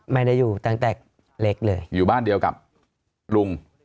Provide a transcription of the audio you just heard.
ไม่ได้อยู่ตั้งแต่เล็กเลยอยู่บ้านเดียวกับลุง